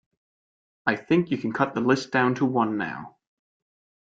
I think you can cut the list down to one now.